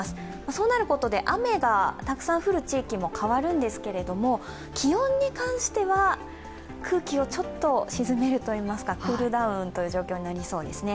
そうなることで、雨がたくさん降る地域も変わるんですけれども気温に関しては空気をちょっと沈めるといいますかクールダウンという状況になりそうですね。